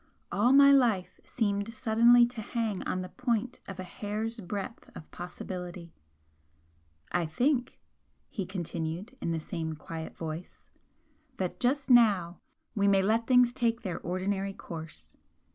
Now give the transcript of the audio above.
All my life seemed suddenly to hang on the point of a hair's breadth of possibility. "I think," he continued in the same quiet voice "that just now we may let things take their ordinary course.